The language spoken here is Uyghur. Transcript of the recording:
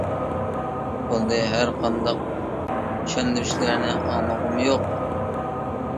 -بولدى، ھەر قانداق چۈشەندۈرۈشلەرنى ئاڭلىغۇم يوق.